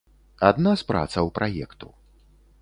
Адна з працаў праекту.